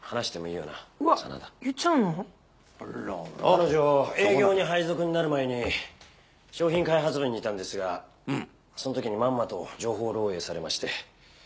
彼女営業に配属になる前に商品開発部にいたんですがその時にまんまと情報漏洩されまして。